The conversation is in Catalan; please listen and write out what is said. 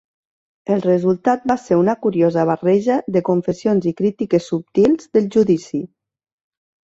El resultat va ser una curiosa barreja de confessions i crítiques subtils del judici.